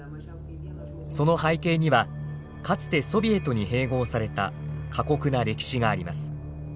その背景にはかつてソビエトに併合された過酷な歴史があります。